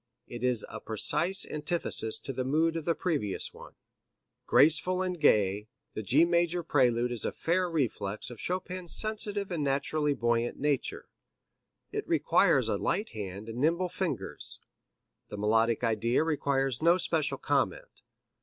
It is a precise antithesis to the mood of the previous one. Graceful and gay, the G major prelude is a fair reflex of Chopin's sensitive and naturally buoyant nature. It requires a light hand and nimble fingers. The melodic idea requires no special comment.